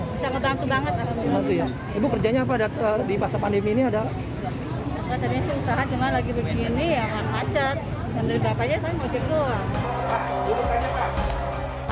bisa bantu banget bapak itu ya bu kerjanya pada di masa pandemi ini adalah